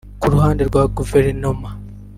Ku ruhande rwa Guverinoma